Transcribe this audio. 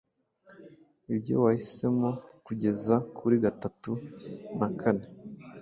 Ibyo wahiemo, kugeza kuri gatatu nakane